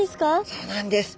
そうなんです。